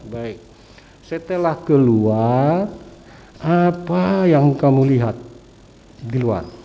baik setelah keluar apa yang kamu lihat di luar